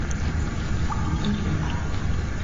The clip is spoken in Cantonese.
唔知點解